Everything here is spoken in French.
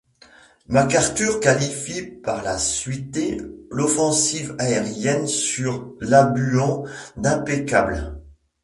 MacArthur qualifie par la suité l'offensive aérienne sur Labuan d'impeccable.